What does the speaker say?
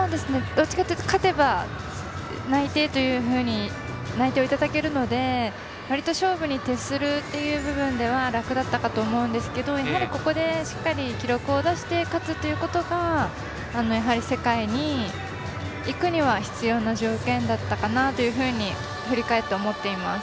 どちらかというと勝てば内定というふうに内定をいただけるので割と勝負に徹するという部分では楽だったかと思うんですがここで、しっかり記録を出して勝つということが世界にいくには必要な条件だったかなと振り返って思っています。